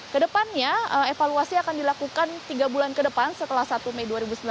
kedepannya evaluasi akan dilakukan tiga bulan ke depan setelah satu mei dua ribu sembilan belas